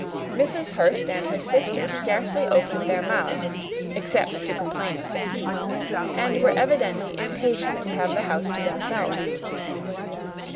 Mrs. Hurst and her sister scarcely opened their mouths except to complain of fatigue, and were evidently impatient to have the house to themselves.